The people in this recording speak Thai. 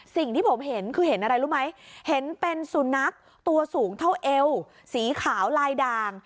สิ่งที่ผมเห็นคือเห็นอะไรรู้ไหมเห็นเป็นสุนัขตัวสูงเท่าเอวสีขาวลายด่าง